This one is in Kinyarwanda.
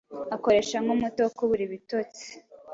akoreshwa nkumuti wo kubura ibitotsi.